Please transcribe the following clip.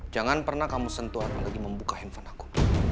jangan pernah kamu sentuh atau lagi membuka hp aku